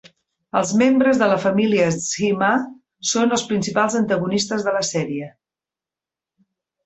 Els membres de la família Psyma són els principals antagonistes de la sèrie.